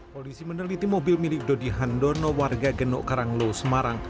polisi meneliti mobil milik dodi handono warga genuk karanglo semarang